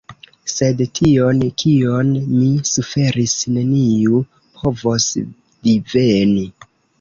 Sed tion, kion mi suferis, neniu povos diveni.